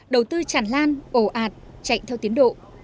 đầu tư chản lan ổ ạt chạy theo tiến độ